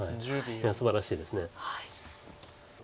すばらしいです。